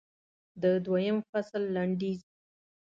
د دویم فصل لنډیز